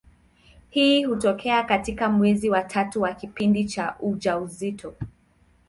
Hii hutokea katika mwezi wa tatu wa kipindi cha ujauzito.